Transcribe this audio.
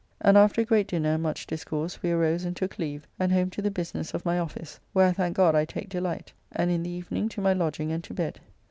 And after a great dinner and much discourse, we arose and took leave, and home to the business of my office, where I thank God I take delight, and in the evening to my lodging and to bed.